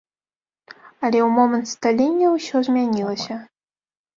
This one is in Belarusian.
Але ў момант сталення ўсё змянілася.